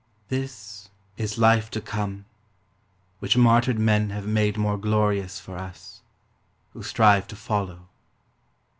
This is life to come. Which martyred men have made more glorious For us, who strive to follow.